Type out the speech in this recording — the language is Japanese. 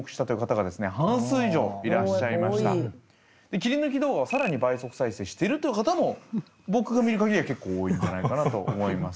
切り抜き動画を更に倍速再生しているという方も僕が見る限りは結構多いんじゃないかなと思います。